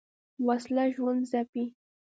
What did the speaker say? وسله ژوند ځپي